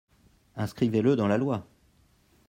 Inscrivez-le dans la loi